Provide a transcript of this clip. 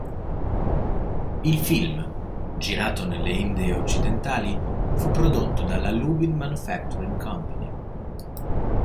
Il film, girato nelle Indie Occidentali, fu prodotto dalla Lubin Manufacturing Company.